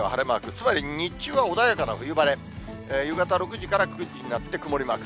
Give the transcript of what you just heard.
つまり日中は穏やかな冬晴れ、夕方６時から９時になって、曇りマーク。